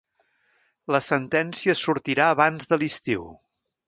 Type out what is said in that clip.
La sentència sortirà abans de l'estiu.